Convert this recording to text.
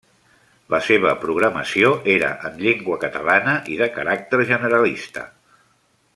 La seva programació era en llengua catalana i de caràcter generalista.